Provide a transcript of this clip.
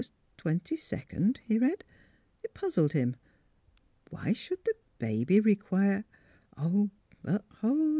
S. Aug. 22," he read. It puzzled him. Why should the baby require — But hold